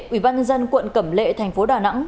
ubnd quận cẩm lệ tp đà nẵng